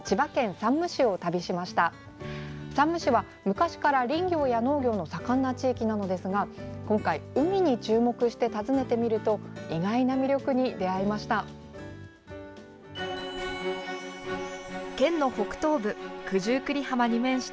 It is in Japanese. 山武市は昔から林業や農業が盛んな地域なのですが今回、海に注目して訪ねてみると意外な魅力に出会いました。